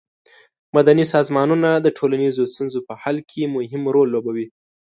مدني سازمانونه د ټولنیزو ستونزو په حل کې مهم رول لوبوي.